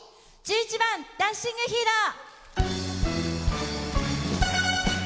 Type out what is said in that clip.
１１番「ダンシング・ヒーロー」。